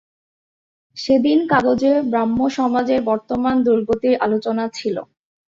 সেদিন কাগজে ব্রাহ্মসমাজের বর্তমান দুর্গতির আলোচনা ছিল।